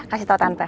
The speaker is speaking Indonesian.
kasih tahu tante